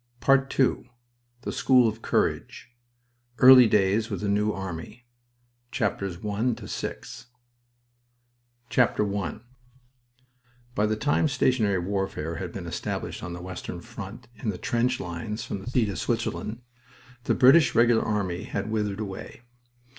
PART TWO. THE SCHOOL OF COURAGE EARLY DAYS WITH THE NEW ARMY I By the time stationary warfare had been established on the western front in trench lines from the sea to Switzerland, the British Regular Army had withered away.